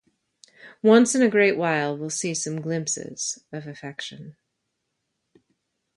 Once in a great while we'll see some glimpses of affection.